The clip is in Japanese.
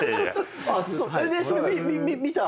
それ見た？